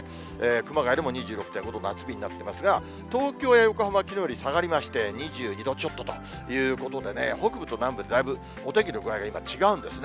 熊谷でも２６．５度、夏日になってますが、東京や横浜はきのうより下がりまして、２２度ちょっとということでね、北部と南部、だいぶお天気の具合が今違うんですね。